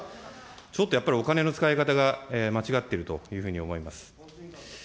ちょっとやっぱりお金の使い方が間違っているというふうに思います。